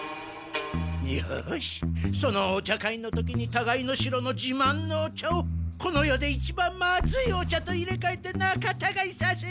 よしそのお茶会の時にたがいの城のじまんのお茶をこの世でいちばんまずいお茶と入れかえてなかたがいさせよう！